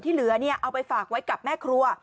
เหลือเอาไปฝากไว้กับแม่ครัว